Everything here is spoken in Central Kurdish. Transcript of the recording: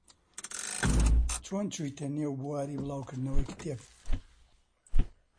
چۆن چوویتە نێو بواری بڵاوکردنەوەی کتێب؟